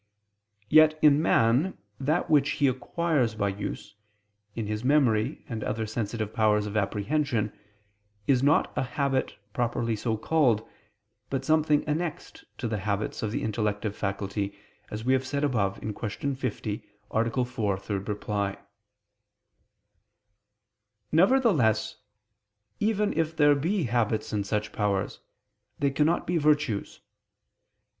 Yet, in man, that which he acquires by use, in his memory and other sensitive powers of apprehension, is not a habit properly so called, but something annexed to the habits of the intellective faculty, as we have said above (Q. 50, A. 4, ad 3). Nevertheless even if there be habits in such powers, they cannot be virtues.